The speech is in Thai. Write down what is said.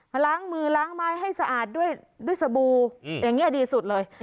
ล้างมือล้างไม้ให้สะอาดด้วยสบู่อย่างนี้ดีสุดเลย